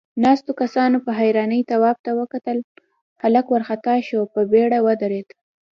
ناستو کسانوپه حيرانۍ تواب ته وکتل، هلک وارخطا شو، په بيړه ودرېد.